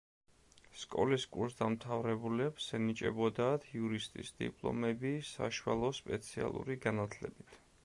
სკოლის კურსდამთავრებულებს ენიჭებოდათ იურისტის დიპლომები საშუალო სპეციალური განათლებით.